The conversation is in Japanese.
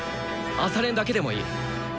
朝練だけでもいい。